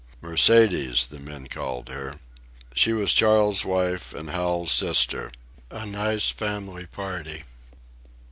"Mercedes" the men called her. She was Charles's wife and Hal's sister—a nice family party.